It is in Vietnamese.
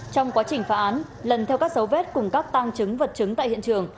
trong quá trình phá án lần theo các dấu vết cùng các tăng chứng vật chứng tại hiện trường